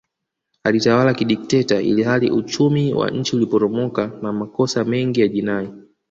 Alitawala kidikteta ilihali uchumi wa nchi uliporomoka na makosa mengi ya jinai